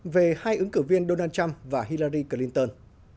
về hai ứng cử viên donald trump và hillari clinton